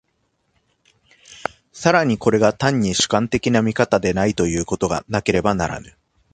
更にこれが単に主観的な見方でないということがなければならぬ。